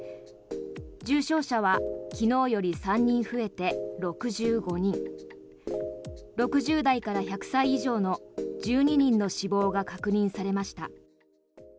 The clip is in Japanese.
重症者は昨日より３人増えて６５人６０代から１００歳以上の１２人の死亡が確認されました。